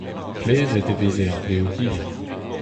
Plezhet e veze ar blev hir.